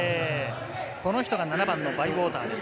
この人が７番のバイウォーターです。